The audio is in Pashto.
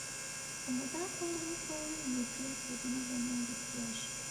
که مو دا کار وکړ نو ټول خوبونه به مو رښتيا شي